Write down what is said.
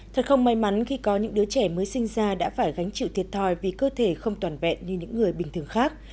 thật không may mắn khi có những đứa trẻ mới sinh ra đã phải gánh chịu thiệt thòi vì cơ thể không toàn vẹn như những người bình thường khác